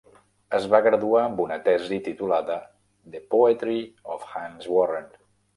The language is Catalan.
Es va graduar amb una tesi titulada "The Poetry of Hans Warren".